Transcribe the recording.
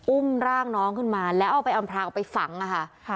อุ้มร่างน้องขึ้นมาแล้วเอาไปอำพลางเอาไปฝังอะค่ะ